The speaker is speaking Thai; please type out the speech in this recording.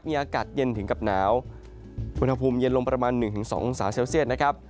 มีอากาศเย็นถึงกับหนาววนภูมิเย็นลงประมาณหนึ่งถึงสององศาเซลเซียตนะครับ